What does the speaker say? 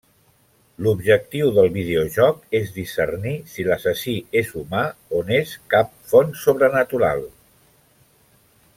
L'objectiu del videojoc és discernir si l'assassí és humà o n'és cap font sobrenatural.